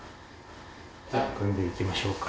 じゃあ組んで行きましょうか。